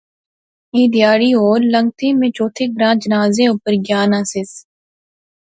کی تہاڑے ہور لنگتھے، میں چوتھے گراں جنازے اپر گیا ناں سیس